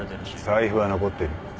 財布は残ってる。